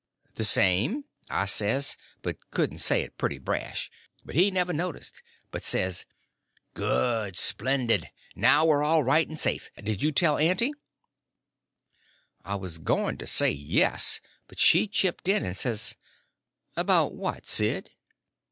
_" "The same," I says, but couldn't say it pretty brash. But he never noticed, but says: "Good! Splendid! Now we're all right and safe! Did you tell Aunty?" I was going to say yes; but she chipped in and says: "About what, Sid?"